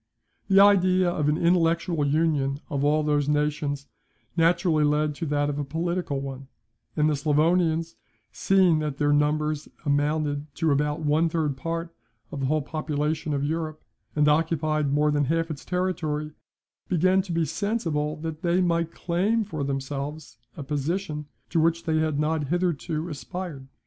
The idea of an intellectual union of all those nations naturally led to that of a political one; and the Sclavonians, seeing that their numbers amounted to about one third part of the whole population of Europe, and occupied more than half its territory, began to be sensible that they might claim for themselves a position, to which they had not hitherto aspired.